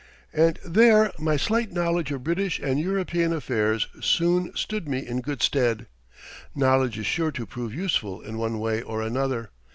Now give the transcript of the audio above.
And there my slight knowledge of British and European affairs soon stood me in good stead. Knowledge is sure to prove useful in one way or another.